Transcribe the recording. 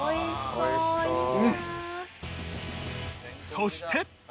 そして。